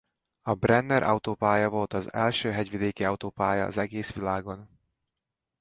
A Brenner autópálya volt az első hegyvidéki autópálya az egész világon.